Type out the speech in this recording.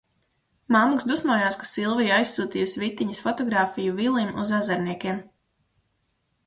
Mammuks dusmojās, ka Silvija aizsūtījusi Vitiņas fotogrāfiju Vilim uz Ezerniekiem.